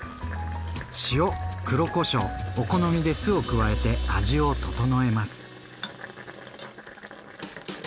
塩・黒こしょうお好みで酢を加えて味を調えます。